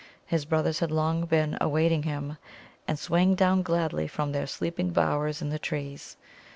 His brothers had long been awaiting him, and swang down gladly from their sleeping bowers in the trees.